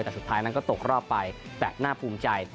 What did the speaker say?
แต่สุดท้ายนั้นก็ตกรอบไปแบบน่าภูมิใจ